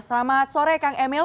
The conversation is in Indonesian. selamat sore kang emil